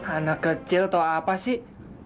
anak kecil atau apa sih